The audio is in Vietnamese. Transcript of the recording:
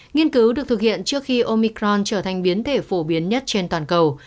nghiên cứu được thực hiện trước khi omicron trở thành biến thể phổ biến nhất trên toàn cầu